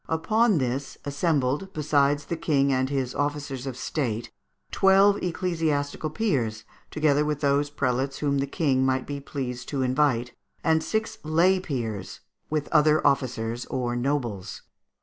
Upon this assembled, besides the King and his officers of State, twelve ecclesiastical peers, together with those prelates whom the King might be pleased to invite, and six lay peers, with other officers or nobles.